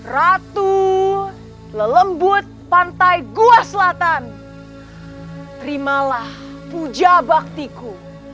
ratu lelembut pantai goa selatan terimalah puja baktiku